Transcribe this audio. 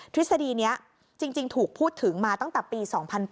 ทฤษฎีนี้จริงถูกพูดถึงมาตั้งแต่ปี๒๐๐๘